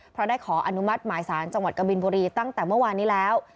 เพราะได้ขออนุมัติหมายสารจังหวัดกบินบุรีตั้งแต่เมื่อวานนี้แล้ว